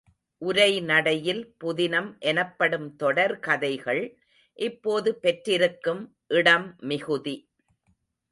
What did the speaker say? உரைநடையில், புதினம் எனப்படும் தொடர் கதைகள் இப்போது பெற்றிருக்கும் இடம் மிகுதி.